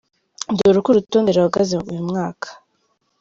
Dore uko uru rutonde ruhagaze uyu mwaka:.